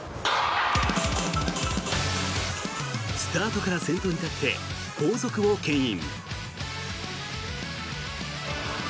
スタートから先頭になって後続をけん引。